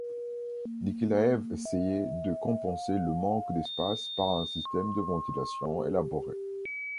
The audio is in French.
Nikilaev essayait de compenser le manque d'espace par un système de ventilation élaboré.